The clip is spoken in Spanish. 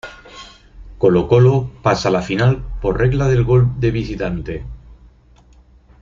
Colo-Colo pasa a la final por regla del gol de visitante.